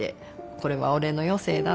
「これは俺の余生だ」って。